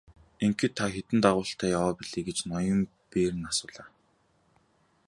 Ингэхэд та хэдэн дагуултай яваа билээ гэж ноён Берн асуулаа.